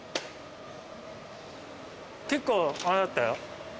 結構あれだったよ。